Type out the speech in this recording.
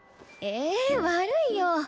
ええ悪いよ。